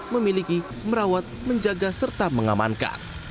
memiliki merawat menjaga serta mengamankan